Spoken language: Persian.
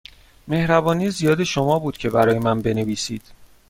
مهربانی زیاد شما بود که برای من بنویسید.